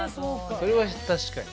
それは確かにね。